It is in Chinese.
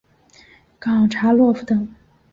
冈察洛夫等。